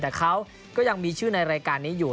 แต่เขาก็ยังมีชื่อในรายการนี้อยู่